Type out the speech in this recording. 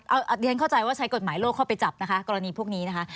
อันนี้ฉันเข้าใจว่าใช้กฎหมายโลกเข้าไปจับนะคะกรณีพวกนี้นะคะ